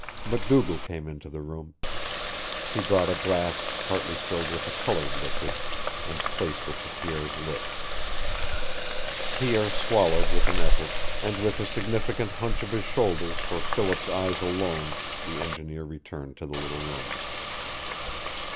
MacDougall came into the room, He brought a glass, partly filled with a colored liquid, and placed it to Pierre's lips. Pierre swallowed with an effort, and with a significant hunch of his shoulders for Philip's eyes alone the engineer returned to the little room.